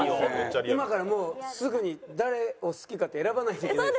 今からもうすぐに誰を好きかって選ばないといけないですよ。